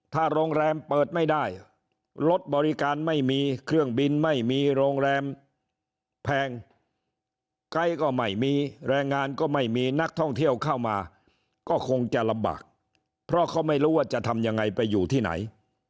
ถ้าโรงแรมเปิดไม่ได้รถบริการไม่มีเครื่องบินไม่มีโรงแรมแพงไกด์ก็ไม่มีแรงงานก็ไม่มีนักท่องเที่ยวเข้ามาก็คงจะลำบากเพราะเขาไม่รู้ว่าจะทำยังไงไปอยู่ที่ไหน